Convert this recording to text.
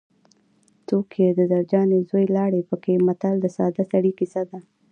څوک یې د زرجانې زوی لاړې پکې متل د ساده سړي کیسه ده